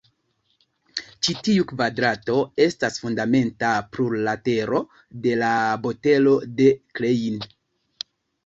Ĉi tiu kvadrato estas fundamenta plurlatero de la botelo de Klein.